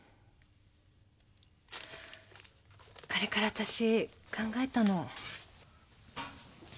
あれからあたし考えたの。